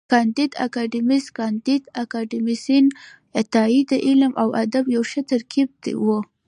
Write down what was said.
کانديد اکاډميسن کانديد اکاډميسن عطایي د علم او ادب یو ښه ترکیب و.